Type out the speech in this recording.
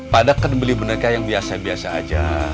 padahal kan beli boneka yang biasa biasa aja